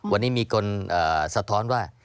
วันนี้มีคนสะท้อนว่า